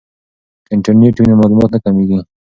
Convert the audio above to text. که انټرنیټ وي نو معلومات نه کمیږي.